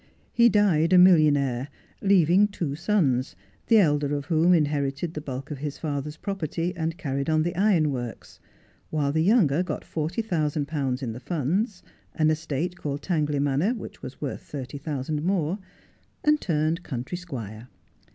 He died a millionnaire, leaving two sons, the elder of whom inherited the bulk of his father's property, and carried on the ironworks, while the younger got forty thousand pounds in the funds, an estate called Tangley Manor, which was worth thirty thousand more, and turned country squire.